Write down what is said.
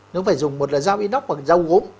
nó phải dùng một là dao inox hoặc dao gốm